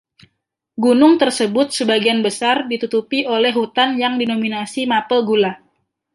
Gunung tersebut sebagian besar ditutupi oleh hutan yang didominasi mapel gula.